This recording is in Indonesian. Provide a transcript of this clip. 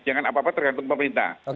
jangan apa apa tergantung pemerintah